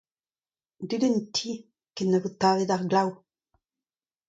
Deuit en ti ken na vo tavet ar glav.